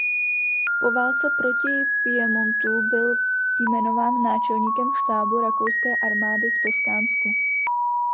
Po válce proti Piemontu byl jmenován náčelníkem štábu rakouské armády v Toskánsku.